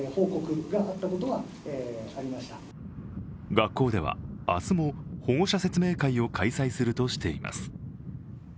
学校では、明日も保護者説明会を開催するとしています。